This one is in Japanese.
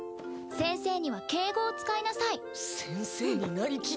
先生には敬語を使いなさい。